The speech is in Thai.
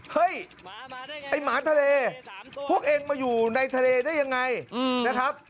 เฮ้ยไอ้หมาทะเลพวกเองมาอยู่ในทะเลได้ยังไงนะครับ